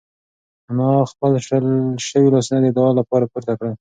انا خپل شل شوي لاسونه د دعا لپاره پورته کړل.